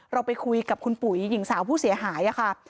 เราไปคุยกับคุณปุ๋ยหญิงสาวผู้เสียหายค่ะ